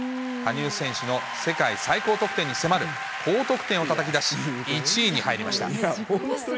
羽生選手の世界最高得点に迫る高得点をたたき出し、１位に入りました。